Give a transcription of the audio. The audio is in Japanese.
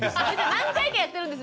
何回かやってるんですね？